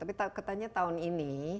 tapi katanya tahun ini